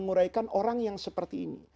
menguraikan orang yang seperti ini